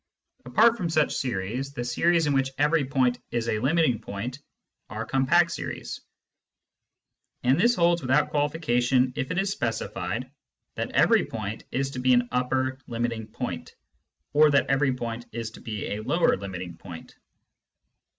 Apart from such series, the series in which every point is a limiting point are compact series ; and this holds without qualification if it is specified that every point is to be an upper limiting point (or that every point is to be a lower limiting point).